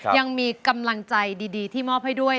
ยังมีกำลังใจดีที่มอบให้ด้วย